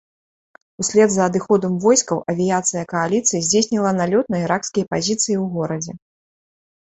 Услед за адыходам войскаў авіяцыя кааліцыі здзейсніла налёт на іракскія пазіцыі ў горадзе.